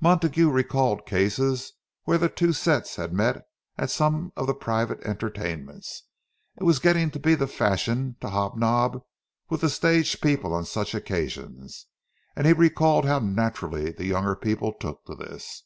Montague recalled cases where the two sets had met as at some of the private entertainments. It was getting to be the fashion to hobnob with the stage people on such occasions; and he recalled how naturally the younger people took to this.